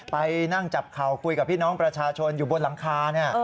ไปนั่งจับเข่าคุยกับพี่น้องประชาชนอยู่บนหลังคา